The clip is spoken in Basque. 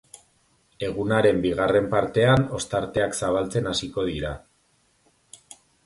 Egunaren bigarren partean ostarteak zabaltzen hasiko dira.